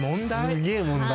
すげえ問題。